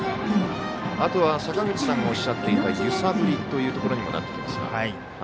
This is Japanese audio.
あとは坂口さんがおっしゃっていた揺さぶりというところにもなってきますが。